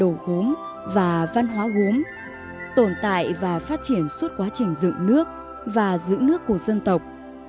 một trong những diện mạo này là văn hóa gốm tồn tại và phát triển suốt quá trình dựng nước và giữ nước của dân tộc